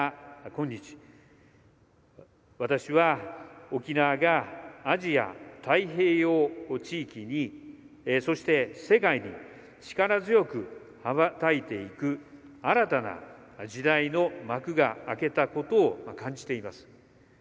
今日私は、沖縄がアジア太平洋地域にそして世界に力強く羽ばたいていく新たな時代の幕が開けたことを感じています。